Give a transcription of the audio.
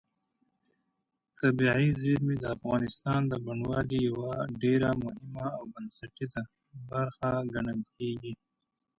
طبیعي زیرمې د افغانستان د بڼوالۍ یوه ډېره مهمه او بنسټیزه برخه ګڼل کېږي.